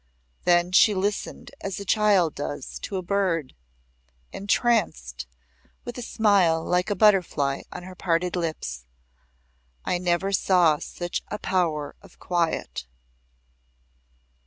Then she listened as a child does to a bird, entranced, with a smile like a butterfly on her parted lips. I never saw such a power of quiet.